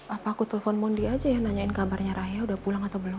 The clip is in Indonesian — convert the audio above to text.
apa aku telepon mondi aja ya nanyain kabarnya raya udah pulang atau belum